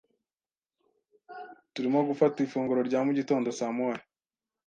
Turimo gufata ifunguro rya mugitondo saa moya